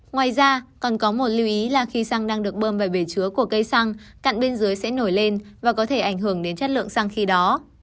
ngoài ra còn có một lưu ý là khi xăng đang được bơm về bể chứa của cây xăng cạn bên dưới sẽ nổi lên và có thể ảnh hưởng đến chất lượng xăng khi đó